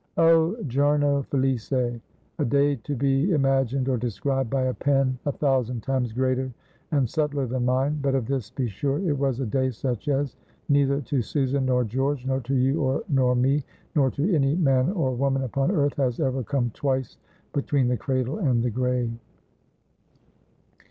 "Oh, giorno felice!" A day to be imagined; or described by a pen a thousand times greater and subtler than mine, but of this be sure it was a day such as, neither to Susan nor George, nor to you nor me, nor to any man or woman upon earth, has ever come twice between the cradle and the grave.